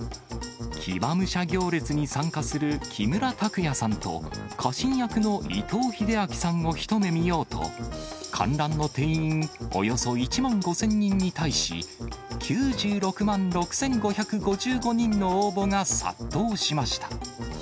騎馬武者行列に参加する木村拓哉さんと、家臣役の伊藤英明さんを一目見ようと、観覧の定員およそ１万５０００人に対し、９６万６５５５人の応募が殺到しました。